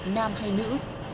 nam hay nữ